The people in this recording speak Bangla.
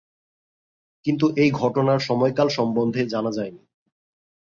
কিন্তু এই ঘটনার সময়কাল সম্বন্ধে জানা যায়নি।